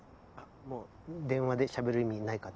もう電話でしゃべる意味ないかと。